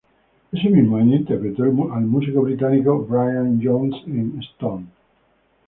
Ese mismo año interpretó al músico británico Brian Jones en "Stoned".